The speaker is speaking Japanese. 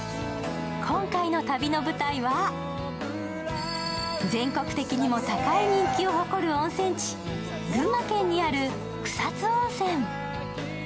今回の旅の舞台は、全国的にも高い人気を誇る群馬県にある草津温泉。